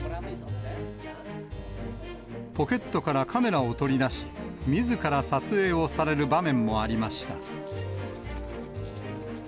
ポケットからカメラを取り出し、みずから撮影をされる場面もありました。